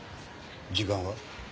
時間は？